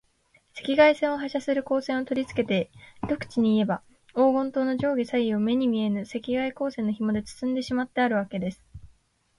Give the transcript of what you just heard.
赤外線を発射する光線をとりつけて、一口にいえば、黄金塔の上下左右を、目に見えぬ赤外光線のひもでつつんでしまってあるわけです。